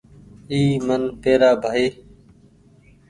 اي من پيرآ ٻآئي